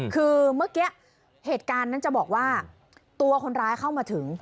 คือเมื่อกี้เหตุการณ์นั้นจะบอกว่าตัวคนร้ายเข้ามาถึง